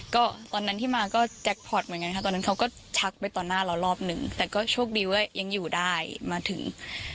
ก็ตอนนั้นที่มาก็แจ็คพอร์ตเหมือนกันค่ะตอนนั้นเขาก็ชักไปต่อหน้าเรารอบหนึ่งแต่ก็โชคดีว่ายังอยู่ได้มาถึง